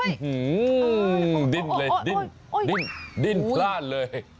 หือดิ้นเลยดิ้นดิ้นดิ้นพลาดเลย